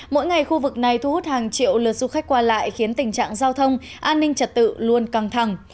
mỗi ngày khu vực này thu hút hàng triệu lượt du khách qua lại khiến tình trạng giao thông an ninh trật tự luôn căng thẳng